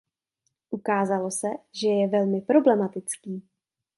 Ukázalo se, že je velmi problematický.